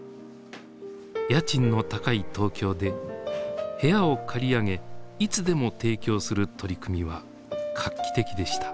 家賃の高い東京で部屋を借り上げいつでも提供する取り組みは画期的でした。